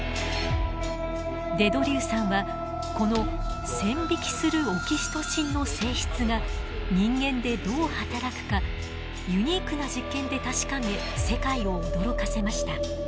デ・ドリューさんはこの線引きするオキシトシンの性質が人間でどう働くかユニークな実験で確かめ世界を驚かせました。